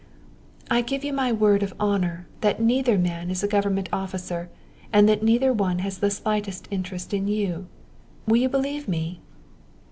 "I give you my word of honor that neither man is a government officer and neither one has the slightest interest in you will you believe me?"